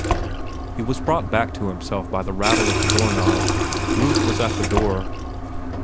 He was brought back to himself by the rattle of the door knob. Ruth was at the door.